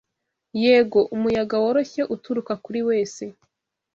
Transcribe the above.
Yego', umuyaga woroshye uturuka kuri wese